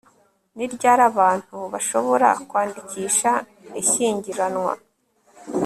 ni ryari abantu bashobora kwandikisha ishyingiranwa